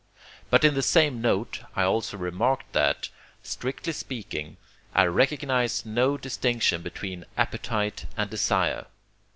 But, in the same note, I also remarked that, strictly speaking, I recognize no distinction between appetite and desire.